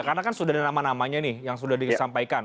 karena kan sudah ada nama namanya nih yang sudah disampaikan